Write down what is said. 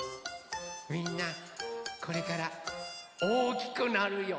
みんなこれからおおきくなるよ。